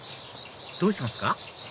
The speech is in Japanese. どうしますか？